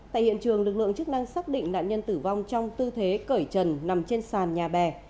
tại hiện trường lực lượng chức năng xác định nạn nhân tử vong trong tư thế cởi trần nằm trên sàn nhà bè